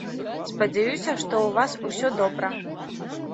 Спадзяюся, што ў вас усё добра.